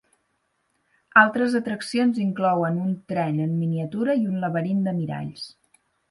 Altres atraccions inclouen un tren en miniatura i un laberint de miralls.